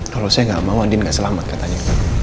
kalau saya gak mau andin gak selamat katanya